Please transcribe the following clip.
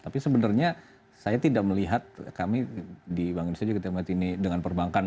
tapi sebenarnya saya tidak melihat kami di bank indonesia juga tidak melihat ini dengan perbankan